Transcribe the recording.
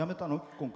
今回。